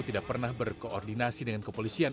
tidak pernah berkoordinasi dengan kepolisian